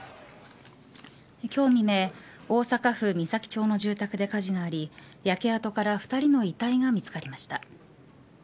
今日未明、大阪府岬町の住宅で火事があり焼け跡から２人の遺体が見つかりました。